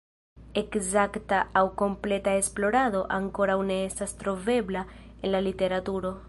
Ekzakta aŭ kompleta esplorado ankoraŭ ne estas trovebla en la literaturo.